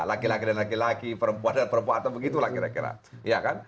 laki laki dan laki laki perempuan dan perempuan atau begitu lah kira kira